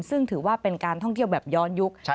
ซึ่งถือว่าเป็นการท่องเที่ยวแบบย้อนยุค